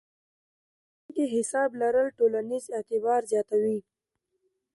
په بانک کې حساب لرل ټولنیز اعتبار زیاتوي.